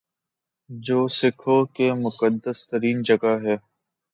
جو سکھوں کی مقدس ترین جگہ ہے